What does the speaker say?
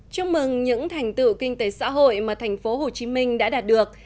chúc mừng những thành tựu kinh tế xã hội mà tp hcm đã đạt được